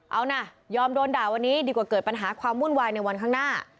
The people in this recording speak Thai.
เอานะยอมโดนด่าวันนี้ดีกว่าเกิดปัญหาความวุ่นวายในวันข้างหน้า